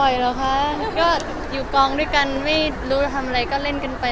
แช่งกันบ่อยหรอค่ะ